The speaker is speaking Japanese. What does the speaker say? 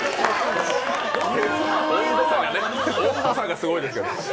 温度差がすごいですよ。